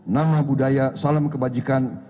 nama budaya salam kebajikan